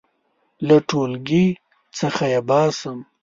• له ټولګي څخه یې باسم.